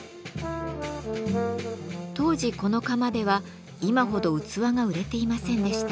当時この窯では今ほど器が売れていませんでした。